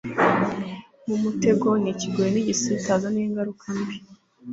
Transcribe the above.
nk umutego n ikigoyi N igisitaza n ingaruka mbi